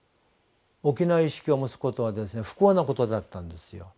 沖縄意識を持つことは不幸なことだったんですよ。